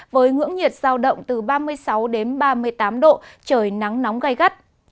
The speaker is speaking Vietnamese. với ngưỡng nhiệt giao động từ ba mươi sáu đến ba mươi tám độ trời nắng nóng gây gắt